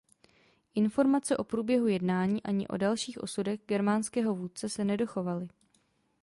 Informace o průběhu jednání ani o dalších osudech germánského vůdce se nedochovaly.